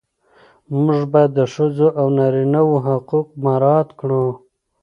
موږ باید د ښځو او نارینه وو حقوق مراعات کړو.